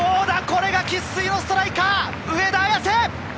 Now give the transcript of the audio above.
これが生粋のストライカー、上田綺世！